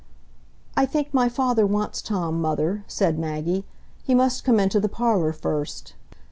"I think my father wants Tom, mother," said Maggie; "he must come into the parlour first."